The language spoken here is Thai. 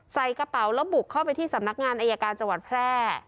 ใส่กระเป๋าแล้วบุกเข้าไปที่สำนักงานอายการจังหวัดแพร่